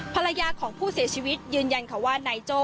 ภรรยาของผู้เสียชีวิตยืนยันค่ะว่านายโจ้